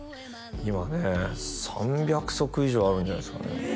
今ね３００足以上あるんじゃないですかね